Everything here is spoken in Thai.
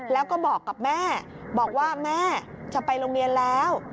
แล้วก็บอกกับแม่บอกว่าแม่จะไปโรงเรียนแล้ว